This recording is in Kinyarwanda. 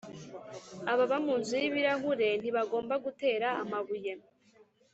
ababa mu mazu y'ibirahure ntibagomba gutera amabuye.